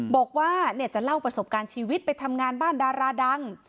บอกว่าจะเล่าประสบการณ์ชีวิตไปทำงานบ้านดาราดัง